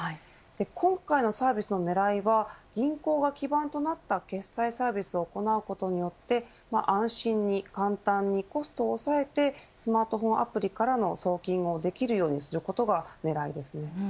今回のサービスの狙いは銀行が基盤となった決済サービスを行うことによって安心に簡単に、コストを抑えてスマートフォンアプリから送金ができるようにすることが狙いです。